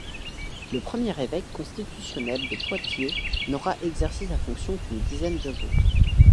Le premier évêque constitutionnel de Poitiers n'aura exercé sa fonction qu'une dizaine de jours.